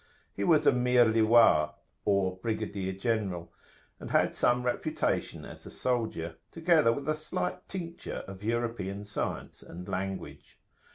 He was a Mir liwa, or brigadier general, and had some reputation as a soldier, together with a slight tincture of European science and language.